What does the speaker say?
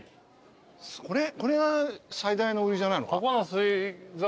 これが最大の売りじゃないのか？